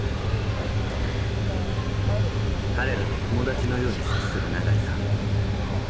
彼らと友達のように接する永井さん